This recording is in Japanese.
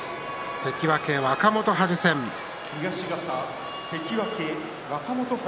関脇若元春戦です。